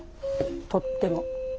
とっても。